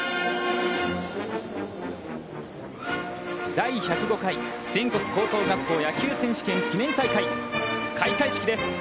第１０５回全国高等学校野球選手権記念大会開会式です。